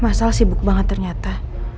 masal sibuk banget ternyata